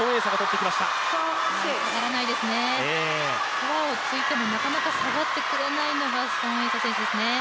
フォアを突いてもなかなか下がってくれないのが孫エイ莎選手ですね。